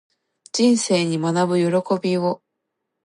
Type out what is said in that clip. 人生に学ぶ喜びを